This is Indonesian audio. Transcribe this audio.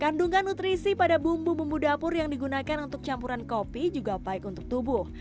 kandungan nutrisi pada bumbu bumbu dapur yang digunakan untuk campuran kopi juga baik untuk tubuh